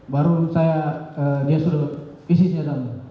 baru saya dia sudah isi senjatamu